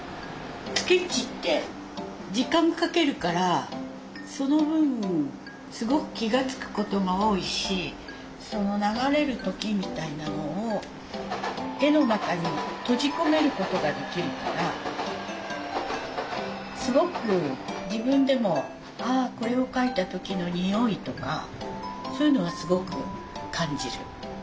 スケッチって時間かけるからその分すごく気が付くことが多いしその流れる時みたいなのを絵の中に閉じ込めることができるからすごく自分でもああこれを描いた時のにおいとかそういうのはすごく感じる。